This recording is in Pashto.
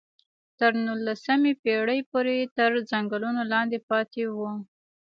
تر نولسمې پېړۍ پورې تر ځنګلونو لاندې پاتې وو.